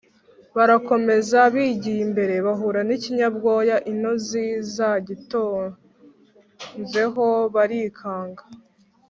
Barakomeza, bigiye imbere bahura n'ikinyabwoya intozi zagitonzeho barikanga